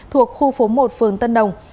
thuộc khu phố một phương tân đồng